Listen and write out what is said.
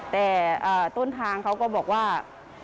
แต่ต้นทางเขาก็บอกว่า